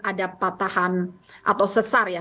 ada patahan atau sesar ya